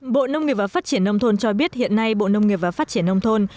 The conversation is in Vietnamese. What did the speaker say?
bộ nông nghiệp và phát triển nông thôn cho biết hiện nay bộ nông nghiệp và phát triển nông thôn